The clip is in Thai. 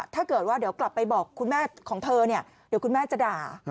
ถ้าเกิดว่าเดี๋ยวกลับไปบอกคุณแม่ของเธอเนี่ยเดี๋ยวคุณแม่จะด่า